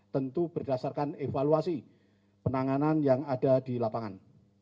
tentu berdasarkan evaluasi penanganan yang ada di lapangan